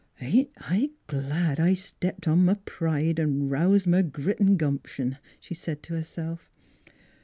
" Ain't I glad I stepped on m' pride an' roused m' grit 'n' gumption?" she said to herself.